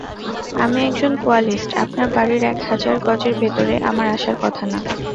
আমি একজন কোয়ালিস্ট আপনার বাড়ির এক হাজার গজের ভেতরে আমার আসার কথা না।